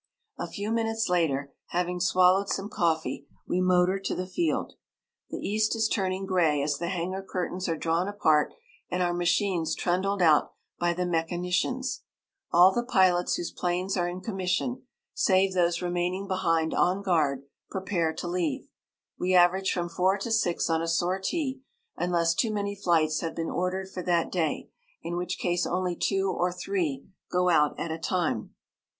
A few minutes later, having swallowed some coffee, we motor to the field. The east is turning gray as the hangar curtains are drawn apart and our machines trundled out by the mechanicians. All the pilots whose planes are in commission save those remaining behind on guard prepare to leave. We average from four to six on a sortie, unless too many flights have been ordered for that day, in which case only two or three go out at a time.